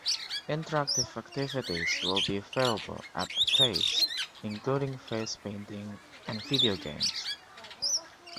Interactive activities will be available at The Taste, including face-painting and video games.